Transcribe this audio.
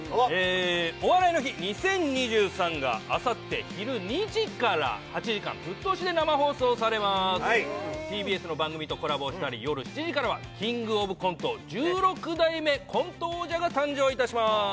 「お笑いの日２０２３」があさって昼２時から８時間ぶっ通しで生放送されますＴＢＳの番組とコラボしたり夜７時からは「キングオブコント」１６代目コント王者が誕生いたします